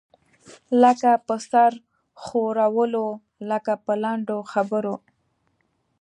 لکه په سر ښورولو، لکه په لنډو خبرو.